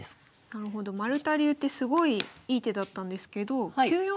なるほど丸田流ってすごいいい手だったんですけど９四